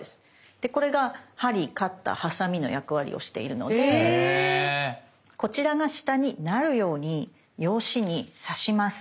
でこれが針カッターハサミの役割をしているのでこちらが下になるように用紙に刺します。